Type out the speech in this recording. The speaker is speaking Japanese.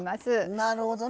なるほどね。